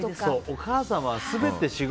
お母様は全て仕事。